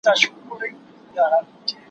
ډېر مرغان سوه د جرګې مخي ته وړاندي